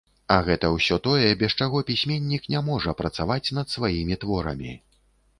А гэта ўсё тое, без чаго пісьменнік не можа працаваць над сваімі творамі.